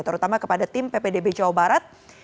terutama kepada tim ppdb jawa barat